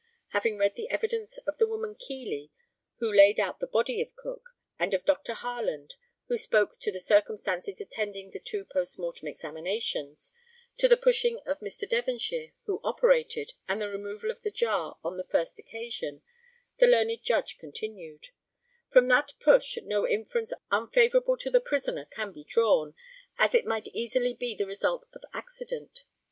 [Having read the evidence of the woman Keeley, who laid out the body of Cook, and of Dr. Harland, who spoke to the circumstances attending the two post mortem examinations, to the pushing of Mr. Devonshire, who operated, and the removal of the jar on the first occasion, the learned Judge continued ] From that push no inference unfavourable to the prisoner can be drawn, as it might easily be the result of accident.